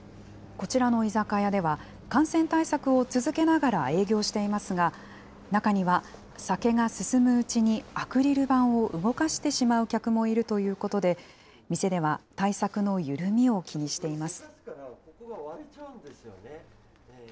こちらの居酒屋では、感染対策を続けながら営業していますが、中には酒が進むうちにアクリル板を動かしてしまう客もいるということで、店では対策の緩みを気にしています。